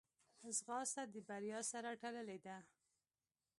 ځغاسته د بریا سره تړلې ده